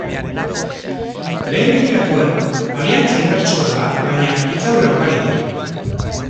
Lehen begiratuan, aliantza indartsua da baina, pitzadura ugari ditu.